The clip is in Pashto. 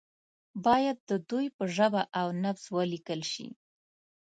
باید د دوی په ژبه او نبض ولیکل شي.